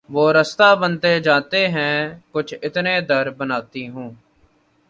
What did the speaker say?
وہ رستہ بنتے جاتے ہیں کچھ اتنے در بناتی ہوں